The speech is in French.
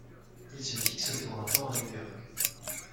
Il se fixe pour un temps à New York.